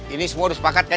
ini semua udah sepakat kan